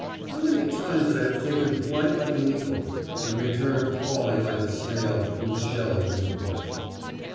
How many times I have taken flight like an eagle and returned crawling like a snail whose shell has been crushed!...